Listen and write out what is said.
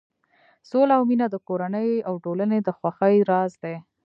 سوله او مینه د کورنۍ او ټولنې د خوښۍ راز دی.